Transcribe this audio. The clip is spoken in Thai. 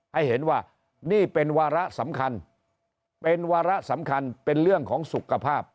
ให้เห็นว่านี่เป็นวาระสำคัญเป็นวาระสำคัญเป็นเรื่องของสุขภาพ